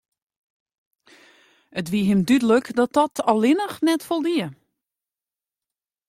It wie him dúdlik dat dat allinne net foldie.